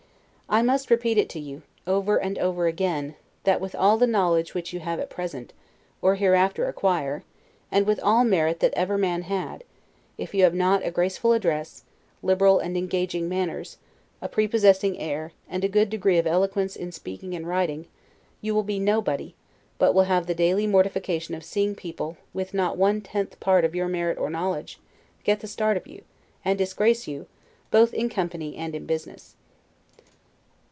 I must repeat it to you, over and over again, that with all the knowledge which you may have at present, or hereafter acquire, and with all merit that ever man had, if you have not a graceful address, liberal and engaging manners, a prepossessing air, and a good degree of eloquence in speaking and writing; you will be nobody; but will have the daily mortification of seeing people, with not one tenth part of your merit or knowledge, get the start of you, and disgrace you, both in company and in business.